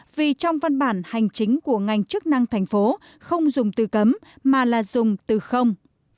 vì trong văn bản hành chính của ngành chức năng thành phố không dùng từ cấm mà là dùng từ không